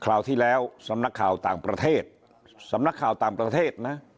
ราวที่แล้วสำนักข่าวต่างประเทศสำนักข่าวต่างประเทศนะ